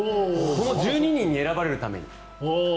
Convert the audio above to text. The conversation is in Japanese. この１２人に選ばれるために。